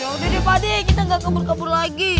ya udah deh pade kita gak kabur kabur lagi